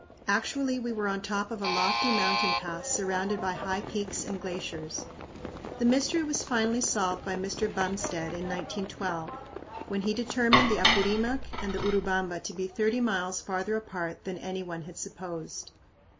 Actually we were on top of a lofty mountain pass surrounded by high peaks and glaciers. The mystery was finally solved by Mr. Bumstead in 1912, when he determined the Apurimac and the Urubamba to be thirty miles farther apart than any one had supposed.